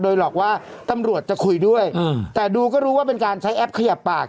โดยหลอกว่าตำรวจจะคุยด้วยแต่ดูก็รู้ว่าเป็นการใช้แอปขยับปาก